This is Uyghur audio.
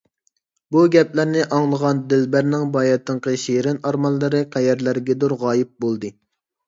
بۇ گەپلەرنى ئاڭلىغان دىلبەرنىڭ باياتىنقى شېرىن ئارمانلىرى قەيەرلەرگىدۇر غايىب بولدى.